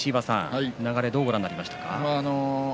流れをどうご覧になりましたか。